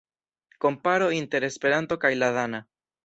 Komparo inter Esperanto kaj la dana.